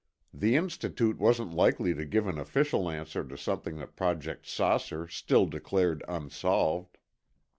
The Institute wasn't likely to give an official answer to something that Project "Saucer" still declared unsolved.